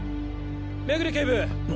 目暮警部！